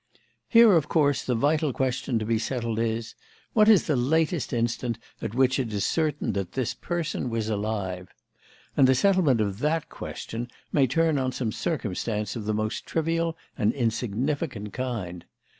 "Here, of course, the vital question to be settled is, what is the latest instant at which it is certain that this person was alive? And the settlement of that question may turn on some circumstance of the most trivial and insignificant kind.